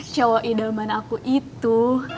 cowok idaman aku itu